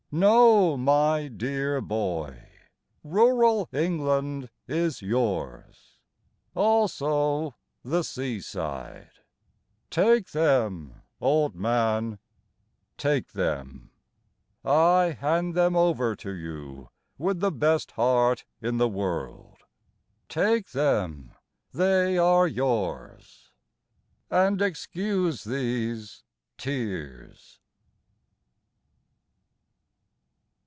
No, my dear boy, Rural England is yours, Also the sea side, Take them, old man, take them; I hand them over to you with the best heart in the world. Take them they are yours And excuse these tears.